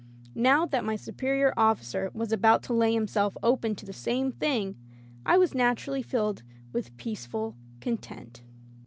Now that my superior officer was about to lay himself open to the same thing, I was naturally filled with peaceful content.